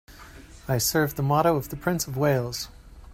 I serve the motto of the Prince of Wales.